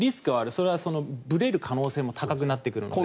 それはぶれる可能性も高くなってくるので。